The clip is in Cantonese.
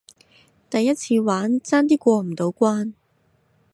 第一次玩，爭啲過唔到關